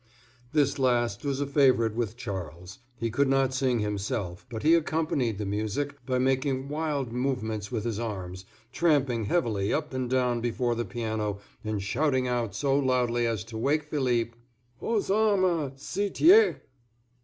This last was a favorite with Charles; he could not sing himself, but he accompanied the music by making wild movements with his arms, tramping heavily up and down before the piano, and shouting out so loudly as to wake Philippe, "Aux armes, citoyens!"